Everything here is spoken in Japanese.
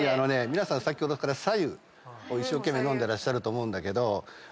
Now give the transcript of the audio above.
皆さん先ほどから白湯を一生懸命飲んでらっしゃると思うんだけど。